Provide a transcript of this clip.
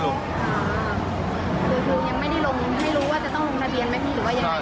คือคุณยังไม่ได้ให้รู้ว่าจะต้องลงทะเบียนไหมพี่